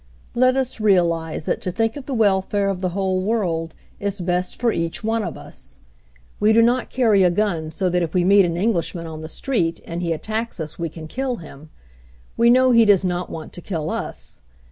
"Let us realize that to think of the welfare of the whole world is best for each one of us. We do not carry a gun so that if we meet an Eng lishman on the street and he attacks us we can kill him. We know he does not want to kill us.